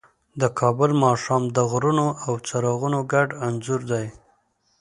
د کابل ماښام د غرونو او څراغونو ګډ انځور دی.